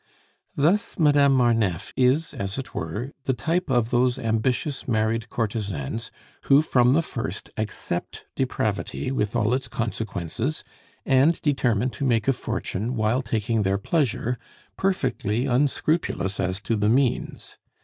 Thus Madame Marneffe is, as it were, the type of those ambitious married courtesans who from the first accept depravity with all its consequences, and determine to make a fortune while taking their pleasure, perfectly unscrupulous as to the means.